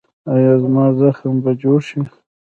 ایا زما زخم به جوړ شي؟